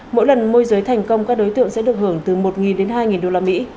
mỗi lần môi giới thành công các đối tượng sẽ được hưởng từ một đến hai đô la mỹ